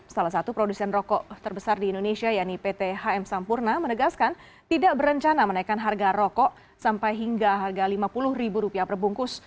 salah satu produsen rokok terbesar di indonesia yaitu pt hm sampurna menegaskan tidak berencana menaikkan harga rokok sampai hingga harga lima puluh ribu rupiah perbungkus